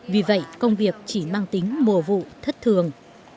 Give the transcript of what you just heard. vì vậy công việc chỉ mang tính mùa vụ thất thường